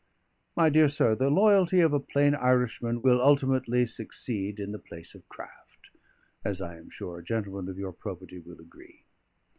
My dear sir, the loyalty of a plain Irishman will ultimately succeed in the place of craft; as I am sure a gentleman of your probity will agree.